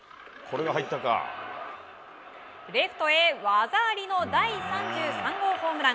レフトへ技ありの第３３号ホームラン。